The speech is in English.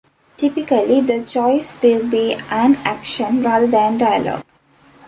Typically, the choice will be an action rather than dialogue.